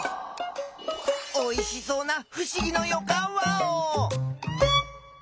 おいしそうなふしぎのよかんワオ！